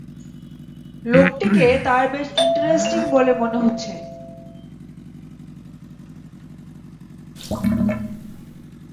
লোকটিকে তাঁর বেশ ইস্টারেষ্টিং বলে মনে হচ্ছে।